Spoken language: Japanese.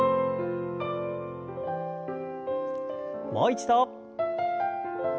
もう一度。